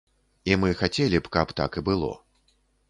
І мы хацелі б, каб так і было.